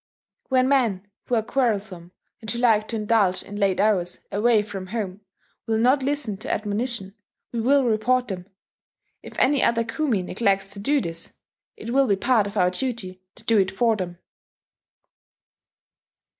"When men who are quarrelsome and who like to indulge in late hours away from home will not listen to admonition, we will report them. If any other kumi neglects to do this, it will be part of our duty to do it for them